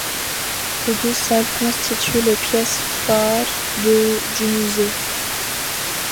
Les deux salles constituent les pièces phares du musée.